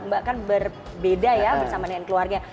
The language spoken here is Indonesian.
mbak kan berbeda ya bersama dengan keluarga